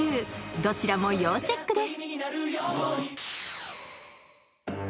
どちらも要チェックです。